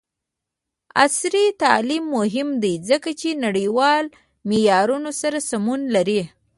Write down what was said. عصري تعلیم مهم دی ځکه چې نړیوالو معیارونو سره سمون لري.